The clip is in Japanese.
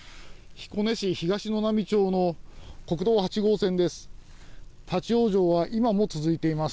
彦根市東沼波町の国道８号線です。